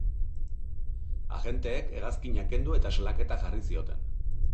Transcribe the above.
Agenteek hegazkina kendu eta salaketa jarri zioten.